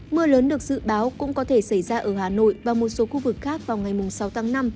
mưa lớn được dự báo cũng có thể xảy ra ở hà nội và một số khu vực khác vào ngày sáu tháng năm